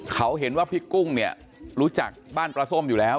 เขาเห็นว่าพี่กุ้งเนี่ยรู้จักบ้านปลาส้มอยู่แล้ว